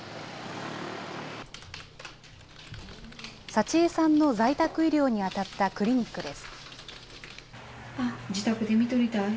佐千江さんの在宅医療に当たったクリニックです。